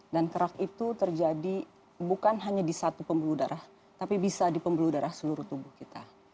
dan kerak itu terjadi bukan hanya di satu pembuluh darah tapi bisa di pembuluh darah seluruh tubuh kita